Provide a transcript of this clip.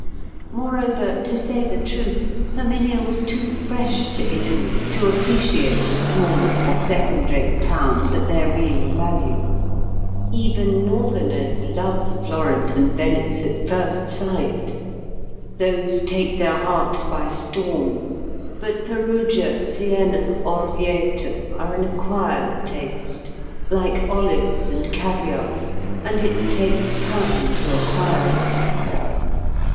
Moreover, to say the truth, Herminia was too fresh to Italy to appreciate the smaller or second rate towns at their real value. Even northerners love Florence and Venice at first sight; those take their hearts by storm; but Perugia, Siena, Orvieto, are an acquired taste, like olives and caviare, and it takes time to acquire it.